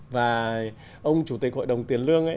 và ông chủ tịch hội đồng tiền lương